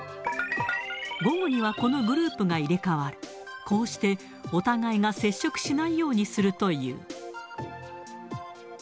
午後にはこのグループが入れ替わり、こうしてお互いが接触しないようにするという。